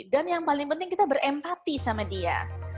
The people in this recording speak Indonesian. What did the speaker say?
dan yang paling penting kita berempati sama dia